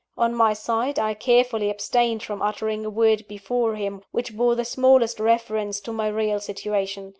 On my side, I carefully abstained from uttering a word before him, which bore the smallest reference to my real situation.